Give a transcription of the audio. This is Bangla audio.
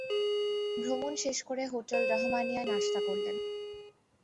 ভ্রমণ শেষ করে হোটেল রহমানিয়ায় নাশতা করলেন।